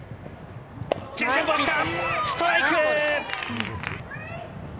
ストライク！